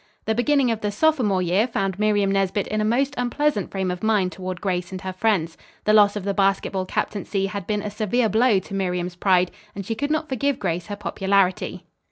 The beginning of the sophomore year found Miriam Nesbit in a most unpleasant frame of mind toward Grace and her friends. The loss of the basketball captaincy had been a severe blow to Miriam's pride, and she could not forgive Grace her popularity.